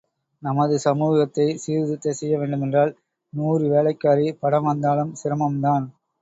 நமது சமூகத்தை சீர்திருத்தச் செய்யவேண்டுமென்றால் நூறு வேலைக்காரி படம் வந்தாலும் சிரமம்தான்.